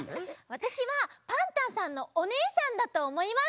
わたしはパンタンさんのおねえさんだとおもいます。